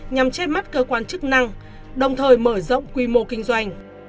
nhằm che mắt cơ quan chức năng đồng thời mở rộng quy mô kinh doanh